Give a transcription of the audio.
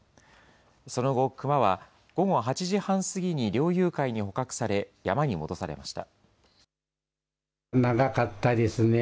その後、クマは午後８時半過ぎに猟友会に捕獲され、山に戻されました。